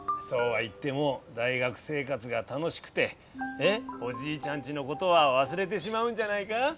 そうは言っても大学生活が楽しくておじいちゃんちのことは忘れてしまうんじゃないか？